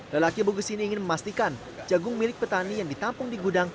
lelaki bugis ini ingin memastikan jagung milik petani yang ditampung di gudang